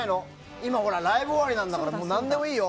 今、ライブ終わりなんだから何でもいいよ。